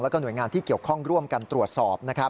แล้วก็หน่วยงานที่เกี่ยวข้องร่วมกันตรวจสอบ